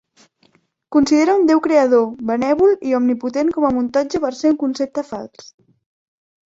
Considera un déu creador benèvol i omnipotent com a muntatge per ser un concepte fals.